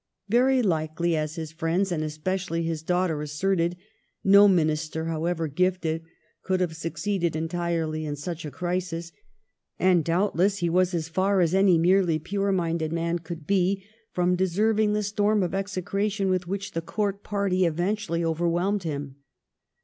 Very likely, as his friends, and especially his . daughter, asserted, no Minister, however gifted, could have succeeded entirely in such a crisis ; and doubtless he was as far as any merely pure minded man could be from deserving the storm of execration with which the Court party event ually overwhelmed him.